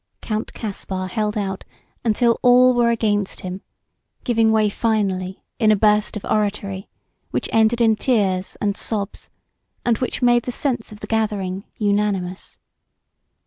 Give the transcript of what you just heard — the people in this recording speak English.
Count Caspar held out until all were against him, giving way finally in a burst of oratory which ended in tears and sobs and which made the sense of the gathering unanimous.